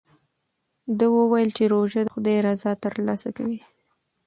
ده وویل چې روژه د خدای رضا ترلاسه کوي.